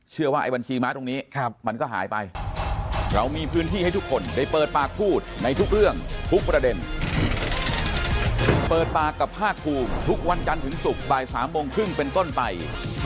เชื่อว่าไอ้บัญชีม้าตรงนี้มันก็หายไป